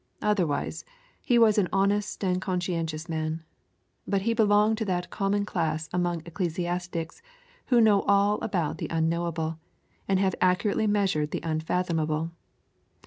Otherwise, he was an honest and conscientious man. But he belonged to that common class among ecclesiastics who know all about the unknowable, and have accurately measured the unfathomable.